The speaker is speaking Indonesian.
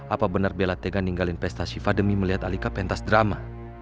apa benar bella tega ninggalin pesta shiva demi melihat alika pentas drama